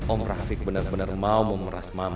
om rafiq benar benar mau memeras mama